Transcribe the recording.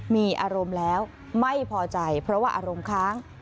มีอารมณ์แล้วไม่พอใจเพราะว่าอารมณ์ค้าง